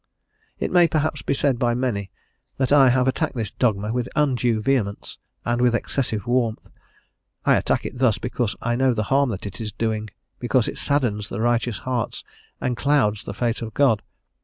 It may perhaps be said by many that I have attacked this dogma with undue vehemence, and with excessive warmth. I attack it thus, because I know the harm that it is doing, because it saddens the righteous heart and clouds the face of God.